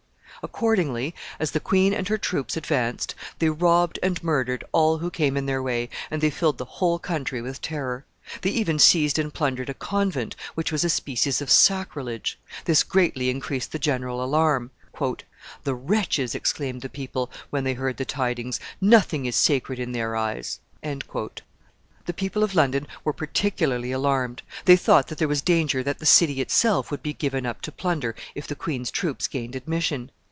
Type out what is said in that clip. Accordingly, as the queen and her troops advanced, they robbed and murdered all who came in their way, and they filled the whole country with terror. They even seized and plundered a convent, which was a species of sacrilege. This greatly increased the general alarm. "The wretches!" exclaimed the people, when they heard the tidings, "nothing is sacred in their eyes." The people of London were particularly alarmed. They thought there was danger that the city itself would be given up to plunder if the queen's troops gained admission.